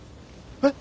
え？